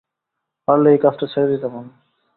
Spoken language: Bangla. পারলে এই কাজটা ছেড়ে দিতাম আমি।